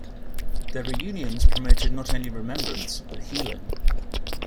The reunions promoted not only remembrance, but healing.